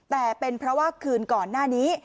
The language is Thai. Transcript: แต่เป็นเพราะว่าคืนก่อนหน้านี้